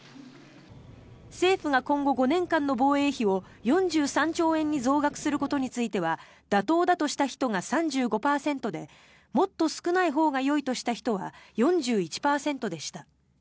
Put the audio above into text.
政府が今後５年間の防衛費を４３兆円に増額することについては妥当だとした人が３５％でもっと少ないほうがよいとした人は４１％でした。